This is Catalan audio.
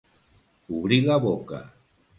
Obrir la boca.